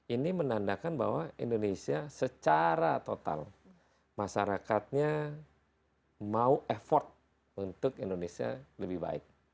ini menandakan bahwa indonesia secara total masyarakatnya mau effort untuk indonesia lebih baik